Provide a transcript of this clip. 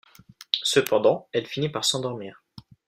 Cependant elle finit par s’endormir.